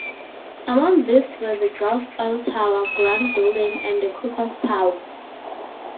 Among these were the Gulf Oil Tower, Grant Building, and Koppers Tower.